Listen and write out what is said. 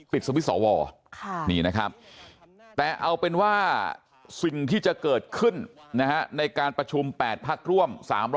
สวิตช์สวนี่นะครับแต่เอาเป็นว่าสิ่งที่จะเกิดขึ้นในการประชุม๘พักร่วม๓๐๐